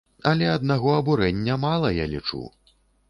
Але аднаго абурэння мала, я лічу.